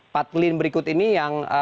patlin berikut ini yang